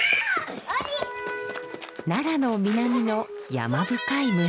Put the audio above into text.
奈良の南の山深い村。